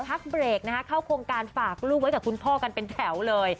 พักเบรกนะฮะเข้าโครงการฝากลูกไว้กับคุณพ่อกันเป็นแถวเลย